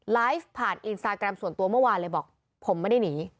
ไลฟ์ผ่านอินสตาแกรมส่วนตัวเมื่อวานเลยบอกผมไม่ได้หนี